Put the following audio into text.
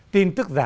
tin tức giả